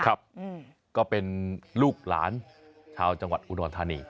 ก็เป็นลูกหลานชาวจังหวัดอุดรธานี